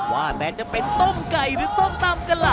ว่าแต่จะเป็นต้มไก่หรือส้มตำกันล่ะ